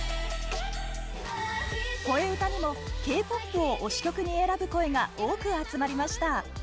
「こえうた」にもＫ‐ＰＯＰを推し曲に選ぶ声が多く集まりました。